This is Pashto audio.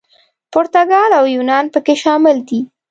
پرتګال او یونان پکې شامل دي.